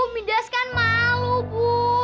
midas kan malu bu